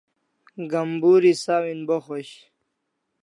Gamburi sawin bo khosh